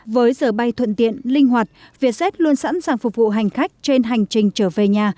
với giờ bay thuận tiện linh hoạt vietjet luôn sẵn sàng phục vụ hành khách trên hành trình trở về nhà